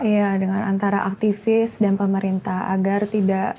iya dengan antara aktivis dan pemerintah agar tidak